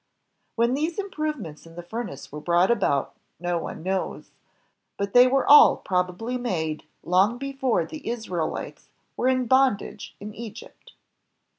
When these improvements in the furnace were brought about no one knows, but they were all probably made long before the Israelites were in bondage in Egypt.